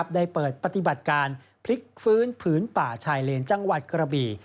ได้เปิดปฏิบัติการพลิกฟื้นผืนป่าชายเลนจังหวัดกระบี่